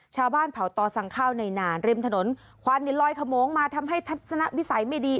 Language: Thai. ชาวบ้านเผาต่อสั่งข้าวในนานริมถนนควันลอยขโมงมาทำให้ทัศนวิสัยไม่ดี